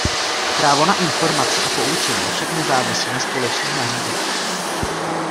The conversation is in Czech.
Právo na informace a poučení však nezávisí na společných nařízeních.